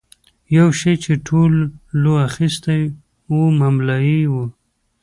یو شی چې ټولو اخیستی و مملايي وه.